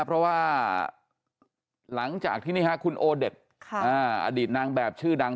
เพราะว่าหลังจากที่นี่คุณโอเด็ดอดีตนางแบบชื่อดัง